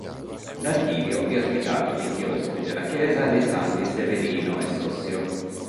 L'Archivio è ospitato nei chiostri della chiesa dei Santi Severino e Sossio.